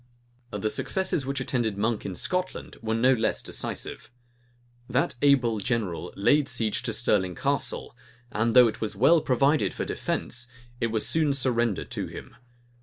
The successes which attended Monk in Scotland were no less decisive. That able general laid siege to Stirling Castle, and though it was well provided for defence, it was soon surrendered to him.